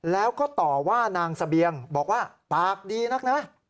แล้วก็ต่อว่านางเสบียงบอกว่าปากดีนักนะ